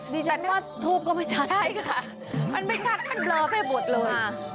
ดิฉันว่าทูปก็ไม่ชัดค่ะมันไม่ชัดมันเบลอไปหมดเลย